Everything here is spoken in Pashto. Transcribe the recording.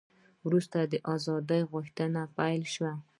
وروسته د ازادۍ غوښتنه پیل شوه.